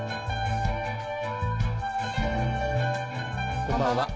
こんばんは。